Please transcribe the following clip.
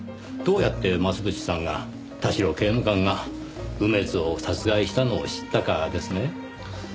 どうやって増渕さんが田代刑務官が梅津を殺害したのを知ったかですね。